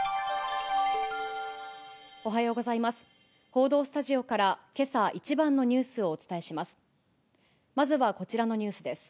報道スタジオからけさ一番のニュースをお伝えします。